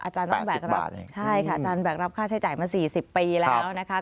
อาจารย์น้องแบกรับค่าใช้จ่ายมา๔๐ปีแล้วนะคะ